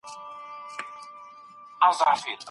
مدیتیشن مو د ژوند توازن برابروي.